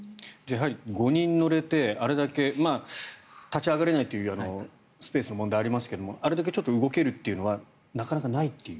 やはり５人乗れてあれだけ立ち上がれないというスペースの問題はありますけどあれだけ動けるというのはなかなかないという？